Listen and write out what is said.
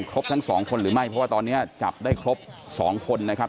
ทั้งสองคนหรือไม่เพราะว่าตอนนี้จับได้ครบ๒คนนะครับ